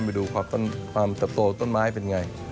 ไปดูความเติบโตต้นไม้เป็นไง